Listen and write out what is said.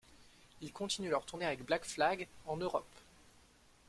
Ils continuent leur tournée avec Black Flag en Europe.